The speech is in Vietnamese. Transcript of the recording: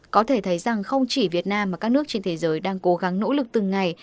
có thể thấy rằng không chỉ việt nam mà các nước trên thế giới đang cố gắng nỗ lực từng ngày